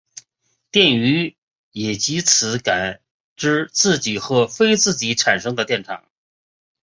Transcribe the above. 电鱼也藉此感知自己或非自己产生的电场。